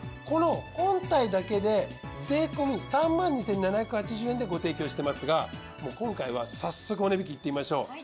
この本体だけで税込３２，７８０円でご提供していますが今回は早速お値引きいってみましょう。